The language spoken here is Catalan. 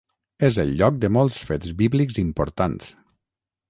És el lloc de molts fets bíblics importants.